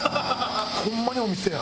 ホンマにお店や。